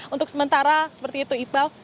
untuk sementara seperti itu iqbal